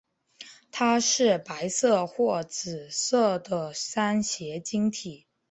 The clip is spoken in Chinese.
它是白色或紫色的三斜晶体。